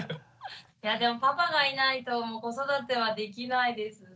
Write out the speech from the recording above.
いやでもパパがいないと子育てはできないです。